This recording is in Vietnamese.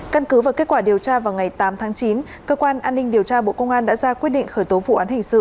căn cứ và kết quả điều tra vào ngày tám tháng chín cơ quan an ninh điều tra bộ công an đã ra quyết định khởi tố vụ án hình sự